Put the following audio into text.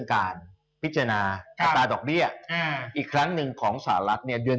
เอาแล้วมาคุยก่อนพี่นิด